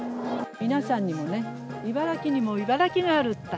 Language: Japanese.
皆さんにもね、茨城にも茨城がある！